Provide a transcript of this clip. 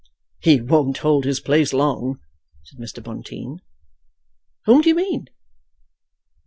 "He won't hold his place long," said Mr. Bonteen. "Whom do you mean?"